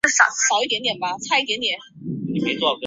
成员为教友。